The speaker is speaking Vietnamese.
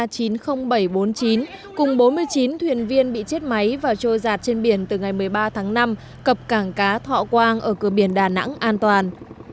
cùng bốn mươi chín thuyền viên bị chết máy và trôi giạt trên biển từ ngày một mươi ba tháng năm cập cảng cá thọ quang ở cửa biển đà nẵng an toàn